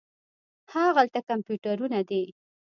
هاغلته کمپیوټرونه دي.